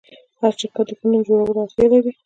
هر شرکت د ښه نوم جوړولو اړتیا لري.